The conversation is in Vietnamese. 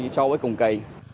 so với cùng kỳ